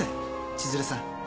千鶴さん。